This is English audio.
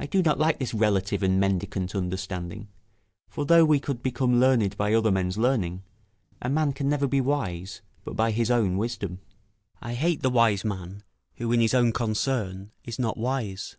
I do not like this relative and mendicant understanding; for though we could become learned by other men's learning, a man can never be wise but by his own wisdom: ["I hate the wise man, who in his own concern is not wise."